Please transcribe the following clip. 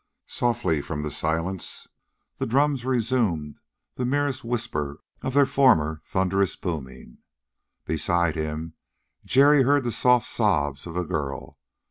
Softly, from the silence, the drums resumed the merest whisper of their former thunderous booming. Beside him. Jerry heard the soft sobs of a girl.